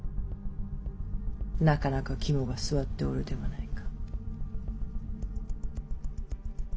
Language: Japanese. なかなか肝が据わっておるではないか。